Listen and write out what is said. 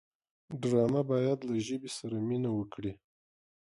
ډرامه باید له ژبې سره مینه وکړي